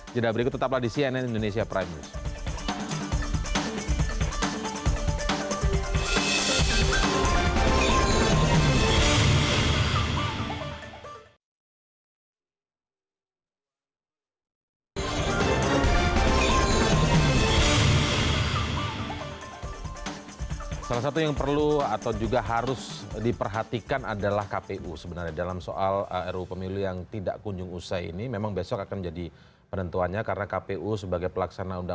jadwal berikut tetaplah di cnn indonesia prime news